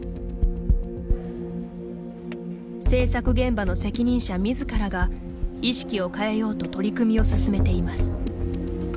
制作現場の責任者、自らが意識を変えようと取り組みを進めています。